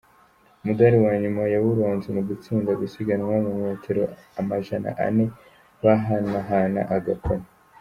Umudali wanyuma yawuronse mu gutsinda gusiganwa mu metero amajana ane bahanahana agakoni.